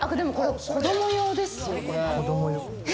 子供用ですよね。